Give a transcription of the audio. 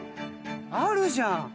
あるじゃん。